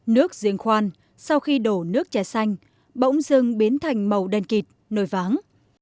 nước diễn khoan sau khi đổ nước trà xanh bỗng dưng biến thành màu đen kịt nổi váng